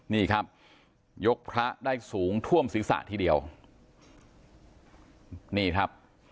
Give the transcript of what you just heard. นี่ครับยกพระได้สูงท่วมศีรษะทีเดียวนี่ครับ